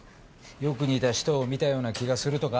「よく似た人を見たような気がする」とか？